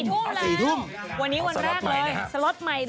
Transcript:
วันนี้วันแรกเลยสล็อตใหม่นะครับ